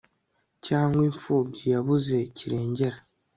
cyangwa imfubyi yabuze kirengera